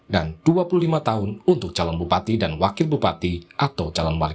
dua puluh lima tahun untuk calon bupati dan wakil bupati atau calon wakil